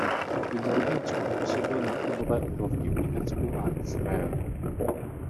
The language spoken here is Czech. Mimo Rumunsko působil na klubové úrovni v Německu a Izraeli.